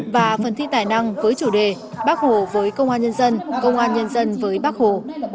và phần thi tài năng với chủ đề bác hồ với công an nhân dân công an nhân dân với bắc hồ